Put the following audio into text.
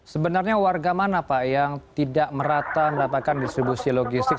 sebenarnya warga mana pak yang tidak merata mendapatkan distribusi logistik